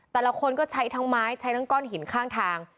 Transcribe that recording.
แต่ละคนก็ใช้ทั้งไม้ใช้ทั้งก้อนหินข้างทาง